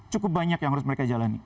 cukup banyak yang harus mereka jalani